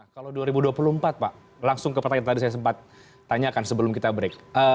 kalau dua ribu dua puluh empat pak langsung ke pertanyaan tadi saya sempat tanyakan sebelum kita break